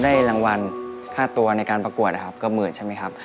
ได้รางวัลค่าตัวในการประกวดนะครับก็หมื่นใช่ไหมครับ